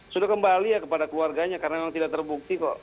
sudah kembali ya kepada keluarganya karena memang tidak terbukti kok